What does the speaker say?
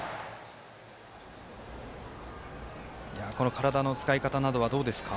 体の使い方などはどうですか？